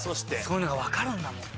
そういうのがわかるんだもう。